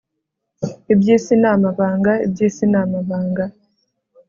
ibyo isi ni amabanga. iby'isi ni amabanga